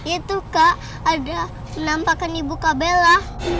itu kak ada penampakan ibu kak bella